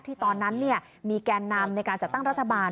ตอนนั้นมีแกนนำในการจัดตั้งรัฐบาล